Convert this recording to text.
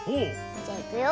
じゃいくよ。